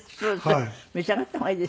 召し上がった方がいいですよ。